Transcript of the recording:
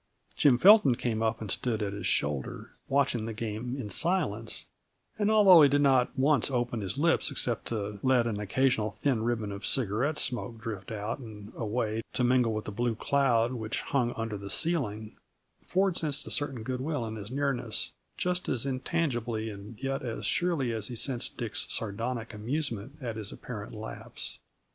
Jim Felton came up and stood at his shoulder, watching the game in silence; and although he did not once open his lips except to let an occasional thin ribbon of cigarette smoke drift out and away to mingle with the blue cloud which hung under the ceiling, Ford sensed a certain good will in his nearness, just as intangibly and yet as surely as he sensed Dick's sardonic amusement at his apparent lapse.